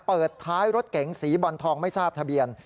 เปิดท้ายรถเก๋งสีบอลทองไม่ทราบทะเบียน